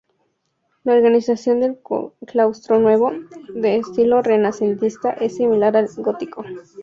La organización del claustro nuevo, de estilo renacentista, es similar al gótico.